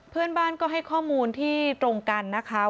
เพื่อนบ้านก็ให้ข้อมูลที่ตรงกันนะคะ